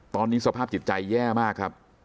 ตอนนี้สภาพติดใจแย่มาก